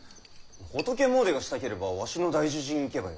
仏詣でがしたければわしの大樹寺に行けばよい。